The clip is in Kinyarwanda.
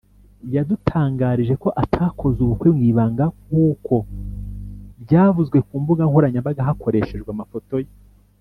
yadutangarije ko atakoze ubukwe mu ibanga nk’uko byavuzwe ku mbuga nkoranyambaga hakoreshejwe amafoto ye